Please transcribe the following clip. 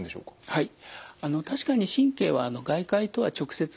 はい。